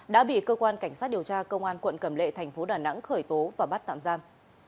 đã bị cơ quan cảnh sát điều tra công an quận cẩm lệ tp đà nẵng khởi tố và bắt tạm giam